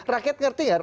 rakyat ngerti ya